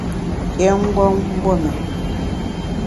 Kyém mgbom !guon mén.